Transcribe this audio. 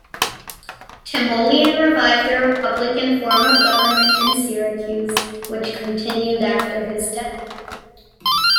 Timoleon revived a republican form of government in Syracuse, which continued after his death.